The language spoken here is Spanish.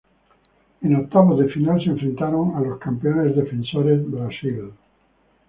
En octavos de final se enfrentaron a los campeones defensores, Brasil.